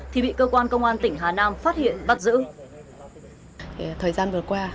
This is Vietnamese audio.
thì bị cơ quan công an tỉnh hà nam phát hiện bắt giữ